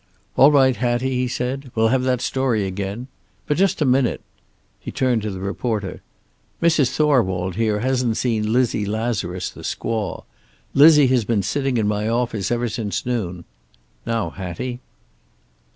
"All right, Hattie," he said. "We'll have that story again. But just a minute." He turned to the reporter. "Mrs. Thorwald here hasn't seen Lizzie Lazarus, the squaw. Lizzie has been sitting in my office ever since noon. Now, Hattie."